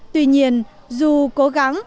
tuy nhiên dù cố gắng